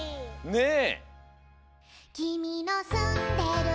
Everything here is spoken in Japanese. ねえ！